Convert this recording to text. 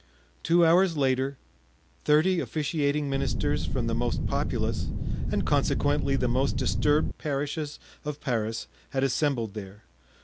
Two hours later, thirty officiating ministers from the most populous, and consequently the most disturbed parishes of Paris had assembled there.